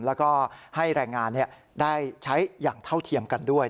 แล้วก็ให้แรงงานได้ใช้อย่างเท่าเทียมกันด้วย